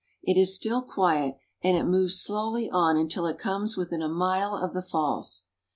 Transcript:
It is still quiet, and it moves slowly on until it comes within a mile of the falls.